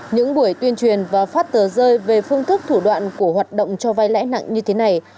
những buổi tuyên truyền và phát tờ rơi về phương thức thủ đoạn của hoạt động cho vai lãi nặng như thế này